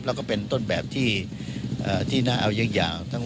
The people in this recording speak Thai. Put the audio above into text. แล้วก็เป็นต้นแบบที่น่าเอายาว